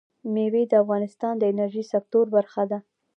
مېوې د افغانستان د انرژۍ سکتور برخه ده.